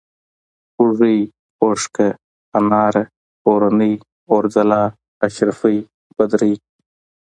اوږۍ ، اوښکه ، اناره ، اورنۍ ، اورځلا ، اشرفۍ ، بدرۍ